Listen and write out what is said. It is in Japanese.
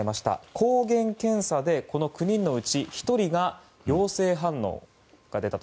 抗原検査でこの９人のうち１人が陽性反応が出たと。